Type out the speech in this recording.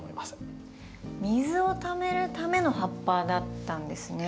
水をためるための葉っぱだったんですね。